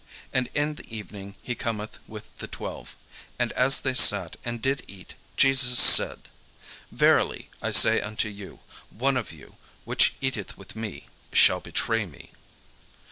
And in the evening he cometh with the twelve. And as they sat and did eat, Jesus said: "Verily I say unto you, one of you which eateth with me shall betray me."